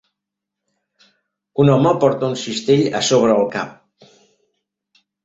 Un home porta un cistell a sobre el cap.